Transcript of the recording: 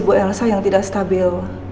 ibu elsa yang tidak stabil